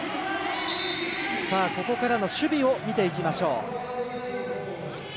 ここからの守備を見ていきましょう。